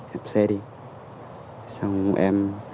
em xe đi xong em